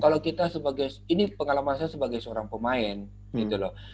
kalau kita sebagai ini pengalaman saya sebagai seorang pemain gitu loh